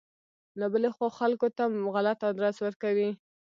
له بلې خوا خلکو ته غلط ادرس ورکوي.